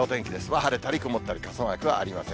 晴れたり曇ったり、傘マークはありません。